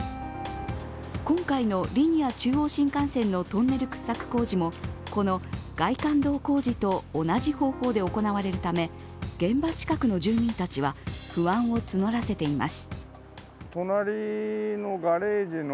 今回のリニア中央新幹線のトンネル掘削工事もこの外環道工事と同じ方法で行われるため現場近くの住民たちは不安を募らせています。